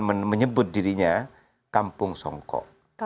menyebut dirinya kampung songkok